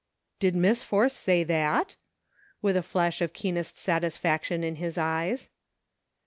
" Did Miss Force say that ,'" with a flash of keenest satisfaction in his eyes.